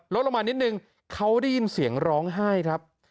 ลดลงมานิดนึงเขาได้ยินเสียงร้องไห้ครับ